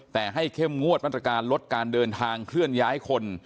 แต่ให้เข้มงวดมาตรการลดการเดินทางเคลื่อนย้ายคน